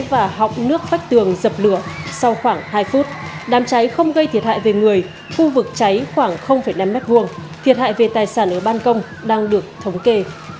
và họng nước vách tường dập lửa sau khoảng hai phút đám cháy không gây thiệt hại về người khu vực cháy khoảng năm m hai thiệt hại về tài sản ở ban công đang được thống kê